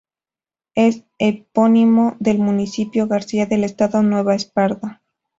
Es epónimo del Municipio García del Estado Nueva Esparta.